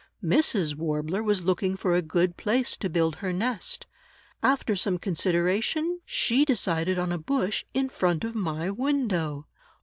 Mrs. Warbler was looking for a good place to build her nest. After some consideration, she decided on a bush in front of my window.